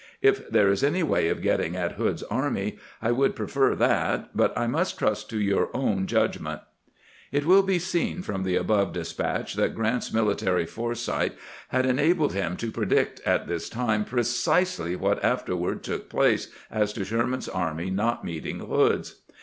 If there is any way of getting at Hood's army, I would prefer that, but I must trust to your own judgment, ..." It will be seen from the above despatch that Grant's military foresight had enabled him to predict at this time precisely what afterward took place as to Sher man's army not meeting Hood's.